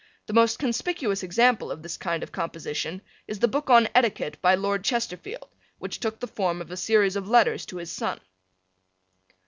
The most conspicuous example of this kind of composition is the book on Etiquette by Lord Chesterfield, which took the form of a series of letters to his son.